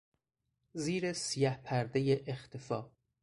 زیر سیه پردهی اختفا